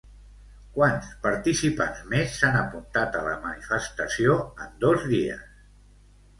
Quants participants més s'han apuntat a la manifestació en dos dies?